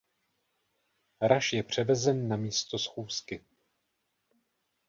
Rush je převezen na místo schůzky.